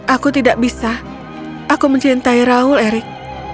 aku tidak bisa aku mencintai raul eric